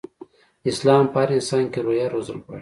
اسلام په هر انسان کې روحيه روزل غواړي.